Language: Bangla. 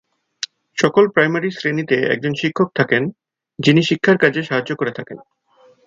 সকল প্রাইমারি শ্রেণীতে একজন শিক্ষক থাকেন, যিনি শিক্ষার কাজে সাহায্য করে থাকেন।